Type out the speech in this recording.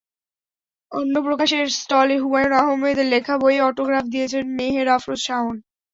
অন্যপ্রকাশের স্টলে হুমায়ূন আহমেদের লেখা বইয়ে অটোগ্রাফ দিয়েছেন মেহের আফরোজ শাওন।